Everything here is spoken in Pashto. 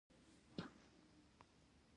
ایا زه باید ننوځم؟